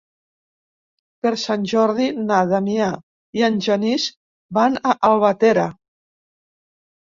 Per Sant Jordi na Damià i en Genís van a Albatera.